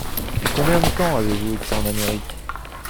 Combien de temps avez-vous été en Amérique ?